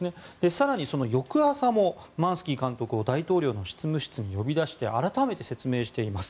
更にその翌朝もマンスキー監督を大統領の執務室に呼び出して改めて説明しています。